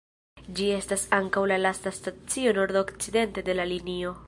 Ĝi estas ankaŭ la lasta stacio nordokcidente de la linio.